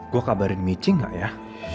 gua kabarin mici gak ya